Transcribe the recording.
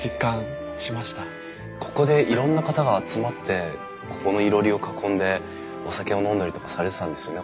ここでいろんな方が集まってここのいろりを囲んでお酒を飲んだりとかされてたんですね。